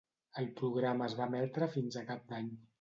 El programa es va emetre fins a cap d'any.